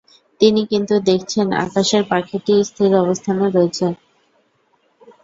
তিনি কিন্তু দেখছেন আকাশের পাখিটি স্থির অবস্থানে রয়েছে।